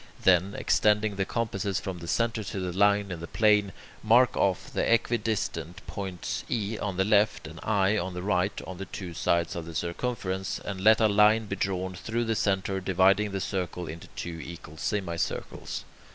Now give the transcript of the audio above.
Then, extending the compasses from the centre to the line in the plane, mark off the equidistant points E on the left and I on the right, on the two sides of the circumference, and let a line be drawn through the centre, dividing the circle into two equal semicircles.